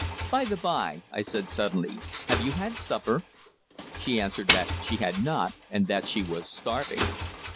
"By the by," I said suddenly, "have you had supper?" She answered that she had not, and added that she was "starving."